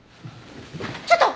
ちょっと！